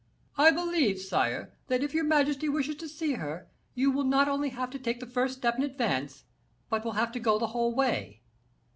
"I believe, sire, that if your majesty wishes to see her, you will not only have to take the first step in advance, but will have to go the whole way."